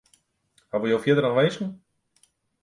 Hawwe jo fierder noch winsken?